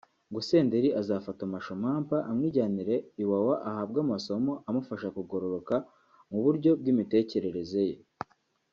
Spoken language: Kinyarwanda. ngo Senderi azafata Masho Mampa amwijyanire Iwawa ahabwe amasomo amufasha kugororoka mu buryo bw’imitekerereze ye